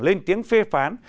lên tiếng phê phán